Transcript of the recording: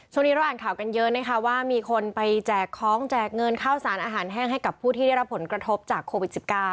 เราอ่านข่าวกันเยอะนะคะว่ามีคนไปแจกของแจกเงินข้าวสารอาหารแห้งให้กับผู้ที่ได้รับผลกระทบจากโควิด๑๙